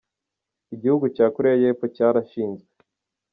Igihugu cya Koreya y’epfo cyarashinzwe.